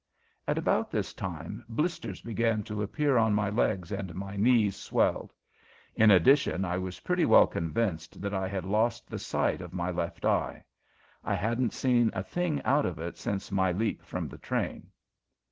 At about this time blisters began to appear on my legs and my knees swelled. In addition I was pretty well convinced that I had lost the sight of my left eye. I hadn't seen a thing out of it since my leap from the train.